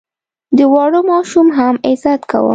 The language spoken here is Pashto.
د واړه ماشوم هم عزت کوه.